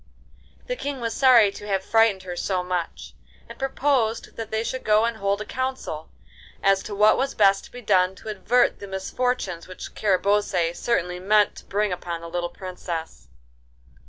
The King was sorry to have frightened her so much, and proposed that they should go and hold a council as to what was best to be done to avert the misfortunes which Carabosse certainly meant to bring upon the little Princess.